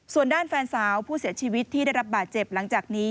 ส่วนด้านแฟนสาวผู้เสียชีวิตที่ได้รับบาดเจ็บหลังจากนี้